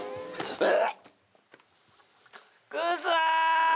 えっ！？